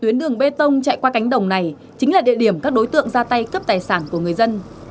tuyến đường bê tông chạy qua cánh đồng này chính là địa điểm các đối tượng ra tay cướp tài sản của người dân